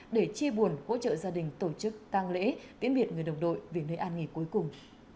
để chia buồn hỗ trợ gia đình tổ chức tăng lễ tiễn biệt người đồng đội về nơi an nghỉ cuối cùng